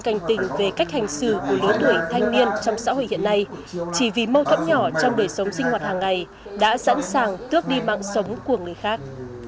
cảnh tình về cách hành xử của lứa tuổi thanh niên trong xã hội hiện nay chỉ vì mâu thuẫn nhỏ trong đời sống sinh hoạt hàng ngày đã sẵn sàng tước đi mạng sống của người khác